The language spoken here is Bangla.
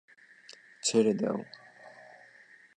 ছেড়ে দাও!